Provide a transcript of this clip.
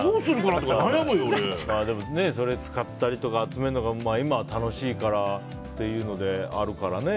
それを使ったり集めるのが今は楽しいからっていうのであるからね。